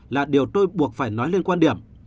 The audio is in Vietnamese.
là điều tôi buộc phải nói lên quan điểm